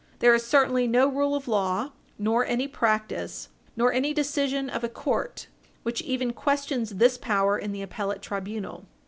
There is certainly no rule of law nor any practice nor any decision of a Page 60 U. S. 429 court which even questions this power in the appellate tribunal.